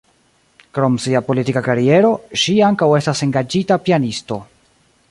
Krom sia politika kariero, ŝi ankaŭ estas engaĝita pianisto.